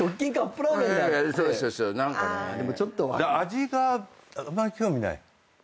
味があんまり興味ない？